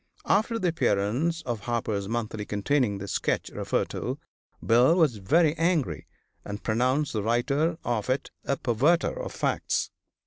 After the appearance of Harper's Monthly containing the sketch referred to, Bill was very angry and pronounced the writer of it a perverter of facts.